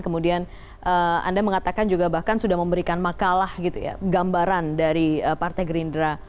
kemudian anda mengatakan bahkan sudah memberikan makalah gambaran dari partai gerindra